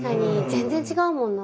全然違うもんな。